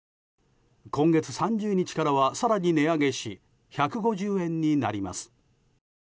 今月３０日からは、更に値上げし１５０円になります。